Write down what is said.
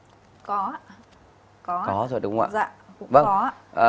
có ạ có ạ có rồi đúng không ạ dạ cũng có ạ